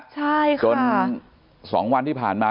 ใช่ค่ะจน๒วันที่ผ่านมา